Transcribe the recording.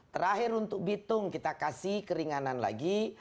terakhir untuk bitung kita kasih keringanan lagi